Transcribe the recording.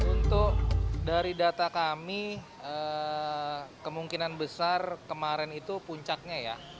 untuk dari data kami kemungkinan besar kemarin itu puncaknya ya